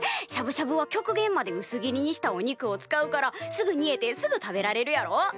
しゃぶしゃぶは極限までうす切りにしたお肉を使うからすぐにえてすぐ食べられるやろ？